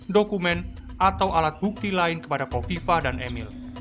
dokumen atau alat bukti lain kepada kofifa dan emil